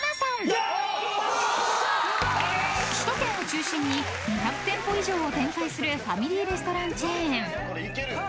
［首都圏を中心に２００店舗以上を展開するファミリーレストランチェーン］